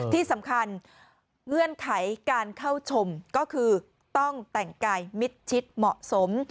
ที่สำคัญเงื่อนไขการเข้าชมก็คือต้องแต่งกายมิดชิดเหมาะสม